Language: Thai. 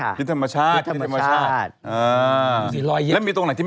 แล้วมีตรงไหนที่ไม่ธรรมชาติ